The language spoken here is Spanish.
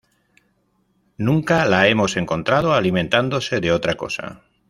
Nunca la hemos encontrado alimentándose de otra cosa.